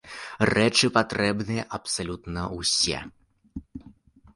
Рэчы патрэбныя абсалютна ўсе.